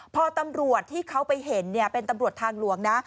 พอตำรวจที่เขาไปเห็นเป็นตำรวจทางหลวงนะ